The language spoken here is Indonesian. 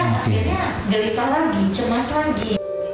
akhirnya nggak bisa lagi cemas lagi